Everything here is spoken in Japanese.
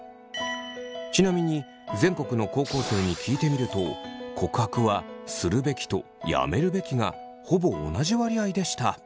ちなみに全国の高校生に聞いてみると告白はするべきとやめるべきがほぼ同じ割合でした。